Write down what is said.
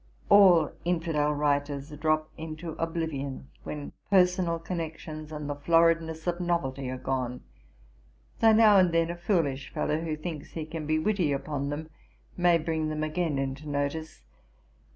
'All infidel writers drop into oblivion, when personal connections and the floridness of novelty are gone; though now and then a foolish fellow, who thinks he can be witty upon them, may bring them again into notice.